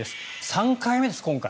３回目です、今回。